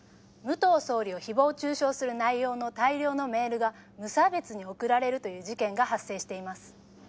「武藤総理を誹謗中傷する内容の大量のメールが無差別に送られるという事件が発生しています」